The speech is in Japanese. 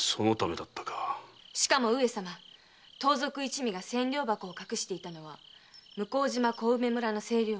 しかも上様盗賊一味が千両箱を隠していたのは向島の清涼庵。